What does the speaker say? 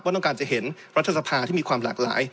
ต้องการจะเห็นรัฐสภาที่มีความหลากหลาย